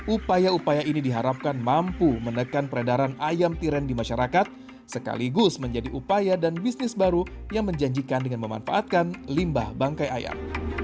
upaya upaya ini diharapkan mampu menekan peredaran ayam tiren di masyarakat sekaligus menjadi upaya dan bisnis baru yang menjanjikan dengan memanfaatkan limbah bangkai ayam